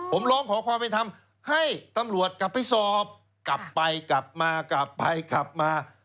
ผมร้องขอความเป็นธรรมให้ตำรวจกลับไปสอบกลับไปกลับมากลับไปกลับมา